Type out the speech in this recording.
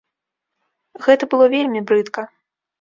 Гэта было вельмі брыдка.